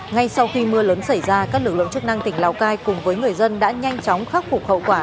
ngay sau khi mưa lớn xảy ra các lực lượng chức năng tỉnh lào cai cùng với người dân đã nhanh chóng khắc phục hậu quả